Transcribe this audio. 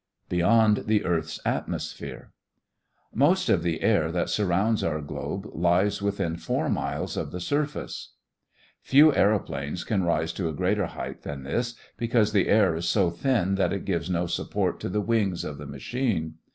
BEYOND THE EARTH'S ATMOSPHERE Most of the air that surrounds our globe lies within four miles of the surface. Few airplanes can rise to a greater height than this, because the air is so thin that it gives no support to the wings of the machine.